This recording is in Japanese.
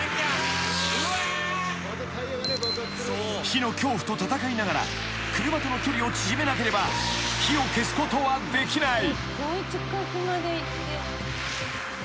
［火の恐怖と闘いながら車との距離を縮めなければ火を消すことはできない］